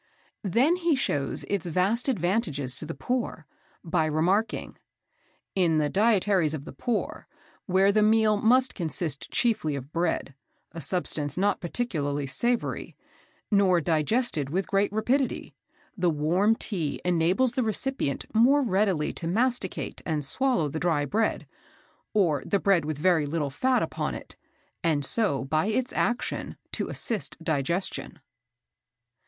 Then he shows its vast advantages to the poor, by remarking: "In the dietaries of the poor, where the meal must consist chiefly of bread, a substance not particularly savoury, nor digested with great rapidity, the warm tea enables the recipient more readily to masticate and swallow the dry bread, or the bread with very little fat upon it, and so by its action to assist digestion."